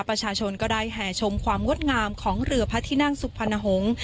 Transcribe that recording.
ประชาชนก็ได้แห่ชมความงดงามของเรือพระที่นั่งสุพรรณหงษ์